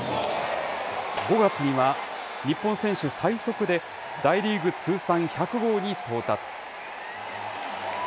５月には、日本選手最速で、大リーグ通算１００号に到達。